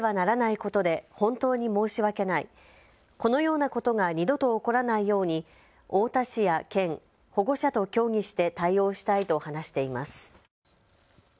このようなことが二度と起こらないように太田市や県、保護者と協議して対応したいと話しています。